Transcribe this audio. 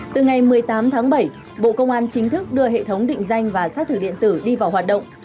từ ngày một mươi tám tháng bảy bộ công an chính thức đưa hệ thống định danh và xác thử điện tử đi vào hoạt động